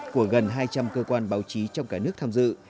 của gần hai trăm linh cơ quan báo chí trong cả nước tham dự